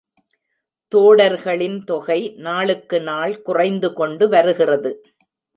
தோடர்களின் தொகை நாளுக்கு நாள் குறைந்து கொண்டு வருகிறது.